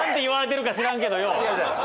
言われてるか知らんけどよ。